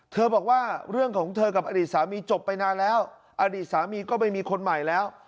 บอกว่าเรื่องของเธอกับอดีตสามีจบไปนานแล้วอดีตสามีก็ไปมีคนใหม่แล้ว